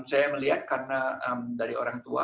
saya melihat karena dari orang tua